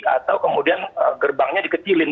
atau kemudian gerbangnya dikecilin